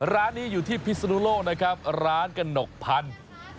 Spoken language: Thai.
ร้านนี้อยู่ที่พิศนุโลกนะครับร้านกระหนกพันธุ์